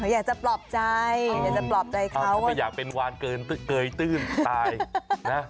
อยากจะปลอบใจอยากจะปลอบใจเขาไม่อยากเป็นวานเกินเกยตื้นตายนะ